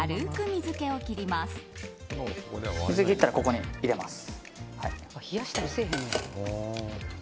水を切ったらここに入れます。